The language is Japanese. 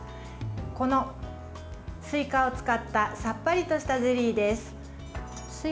この、すいかを使ったさっぱりとしたゼリーです。